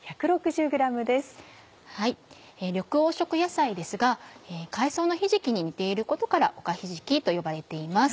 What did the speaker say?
緑黄色野菜ですが海藻のひじきに似ていることからおかひじきと呼ばれています。